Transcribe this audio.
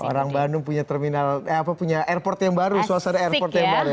orang bandung punya terminal eh apa punya airport yang baru suasana airport yang baru